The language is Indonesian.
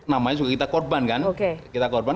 namanya kita korban kan